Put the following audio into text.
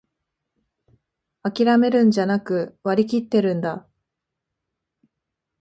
あきらめるんじゃなく、割りきってるんだ